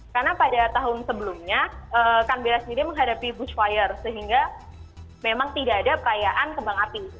karena pada tahun sebelumnya kanbera sendiri menghadapi bushfire sehingga memang tidak ada perayaan kembang api